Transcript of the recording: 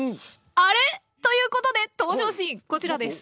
あれ？ということで登場シーンこちらです。